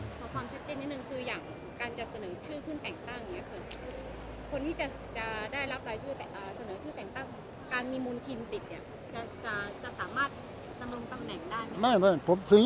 ขอความชัดเจนนิดนึงคืออย่างการจะเสนอชื่อขึ้นแต่งตั้ง